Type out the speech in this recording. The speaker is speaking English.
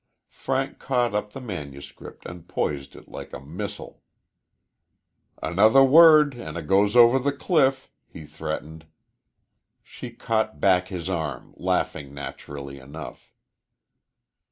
Frank caught up the manuscript and poised it like a missile. "Another word and it goes over the cliff," he threatened. She caught back his arm, laughing naturally enough.